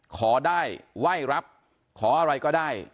ขอได้ไหว้รับขออะไรก็ได้